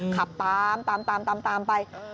ขับตามตามไป